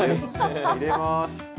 入れます。